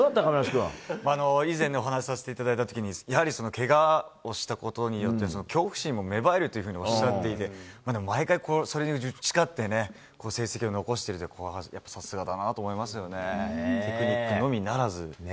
以前にお話していただいたときに、やはりそのけがをしたことによって、恐怖心も芽生えるというふうにおっしゃっていて、毎回、それに打ち勝って成績を残してるって、やっぱりさすがだなと思いますよね、テクニックのみならず。